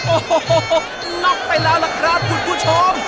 โอ้โหน็อกไปแล้วล่ะครับคุณผู้ชม